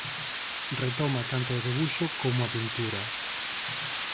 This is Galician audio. Retoma tanto o debuxo como a pintura.